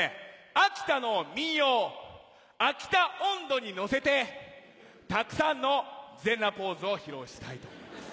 秋田の民謡『秋田音頭』に乗せてたくさんの全裸ポーズを披露したいと思います。